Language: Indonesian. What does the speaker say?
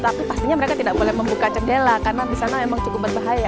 tapi pastinya mereka tidak boleh membuka jendela karena di sana memang cukup berbahaya